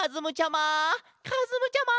かずむちゃま！